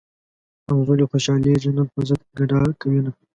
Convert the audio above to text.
همزولي خوشحالېږي نن پۀ ضد ګډا کوينه